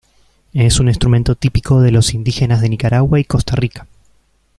Es un instrumento típico de los indígenas de Nicaragua y Costa Rica.